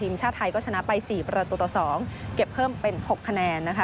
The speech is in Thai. ทีมชาวไทก็ชนะไปสี่ประตูตัวสองเก็บเพิ่มเป็นหกคะแนนนะคะ